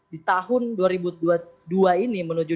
di tahun dua ribu dua puluh dua ini menuju dua ribu dua puluh tiga